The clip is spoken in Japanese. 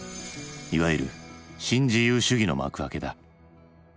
いわゆる新自由主義の幕開けだ。